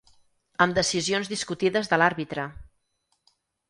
Amb decisions discutides de l’àrbitre.